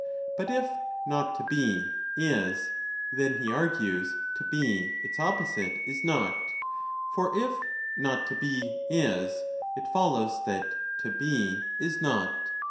But if Not to Be is, then, he argues, To Be, its opposite, is not ; for if Not to Be is, it follows that To Be is not.